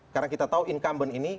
karena kita tahu incumbent ini